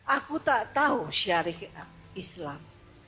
aku tak tahu syariat islam